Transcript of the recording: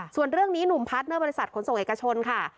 ส่วนเรื่องนี้หนุ่มพาร์ทเนอร์บริษัทขนส่งเอกชนค่ะ